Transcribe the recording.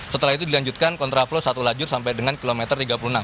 setelah itu dilanjutkan kontraflow satu lajur sampai dengan kilometer tiga puluh enam